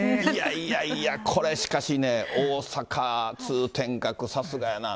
いやいや、これしかしね、大阪、通天閣、さすがやな。